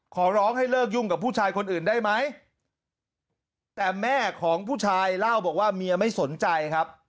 ขอร้องให้เลิกยุ่งกับผู้ชายคนอื่นได้ไหมแต่แม่ของผู้ชายเล่าบอกว่าเมียไม่สนใจครับ